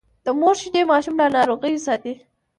د مور شیدې ماشوم له ناروغیو ساتي۔